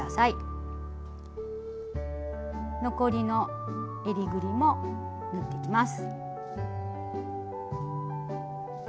残りのえりぐりも縫っていきます。